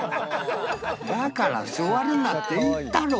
「だから座るなって言ったろ」